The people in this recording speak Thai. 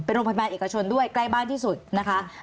เป็นโรงพยาบาลเอกชนด้วยใกล้บ้านที่สุดนะคะ